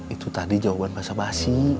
itu tadi jawaban bahasa basi